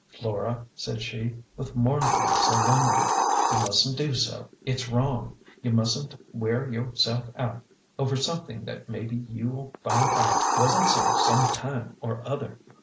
" Flora," said she, with mournful solemnity, " you mustn't do so ; it's wrong. You mustn't wear your self all out over something that maybe you'll find out wasn't so some time or other."